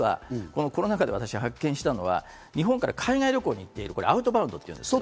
コロナ禍で発見したのは日本から海外旅行に行っている、アウトバウンド。